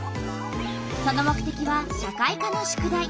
その目てきは社会科の宿題。